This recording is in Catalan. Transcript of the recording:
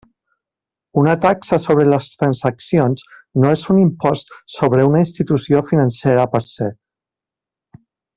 Una taxa sobre les transaccions no és un impost sobre una institució financera per se.